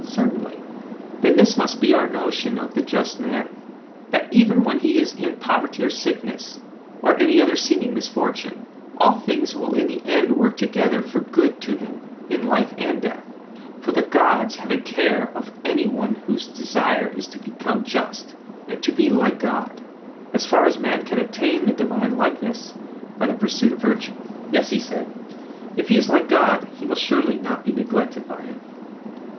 Certainly. Then this must be our notion of the just man, that even when he is in poverty or sickness, or any other seeming misfortune, all things will in the end work together for good to him in life and death: for the gods have a care of any one whose desire is to become just and to be like God, as far as man can attain the divine likeness, by the pursuit of virtue? Yes, he said; if he is like God he will surely not be neglected by him.